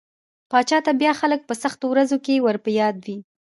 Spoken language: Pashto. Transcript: پاچا ته بيا خلک په سختو ورځو کې ور په ياد وي.